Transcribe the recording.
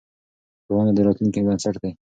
ښوونه د راتلونکې بنسټ دی.